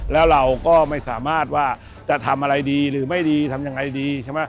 และเราก็ไม่สามารถว่าจะทำอะไรดีหรือไม่ดีทำอย่างไรดี